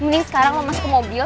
mending sekarang lo masuk ke mobil